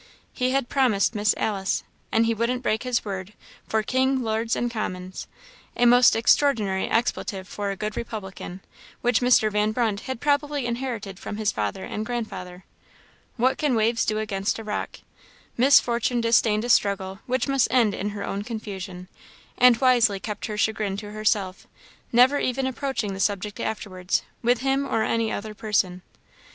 He had promised Miss Alice; and he wouldn't break his word "for king, lords, and commons." A most extraordinary expletive for a good republican which Mr. Van Brunt had probably inherited from his father and grandfather. What can waves do against a rock? Miss Fortune disdained a struggle which must end in her own confusion, and wisely kept her chagrin to herself; never even approaching the subject afterwards, with him or any other person.